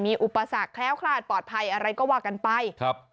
มีอุปสรรคแคล้วคลาดปลอดภัยอะไรก็ว่ากันไปครับ